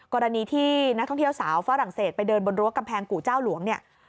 กรณีที่นักท่องเที่ยวสาวฝรั่งเศสไปเดินบนรั้วกำแพงกู่เจ้าหลวงเนี่ย